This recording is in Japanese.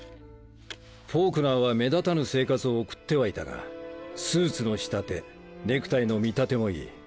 フォークナーは目立たぬ生活を送ってはいたがスーツの仕立てネクタイの見立てもいい。